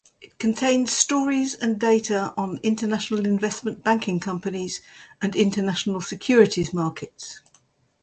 It contains stories and data on international investment banking companies and international securities markets.